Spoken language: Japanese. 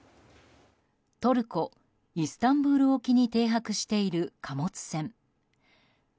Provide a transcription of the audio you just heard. トルコ・イスタンブール沖に停泊している貨物船。